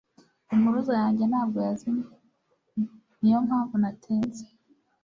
Impuruza yanjye ntabwo yazimye. Niyo mpamvu natinze